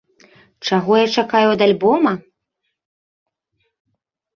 Чаго я чакаю ад альбома?